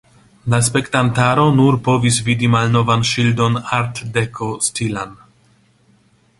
La spektantaro nur povis vidi malnovan ŝildon Art-Deco-stilan.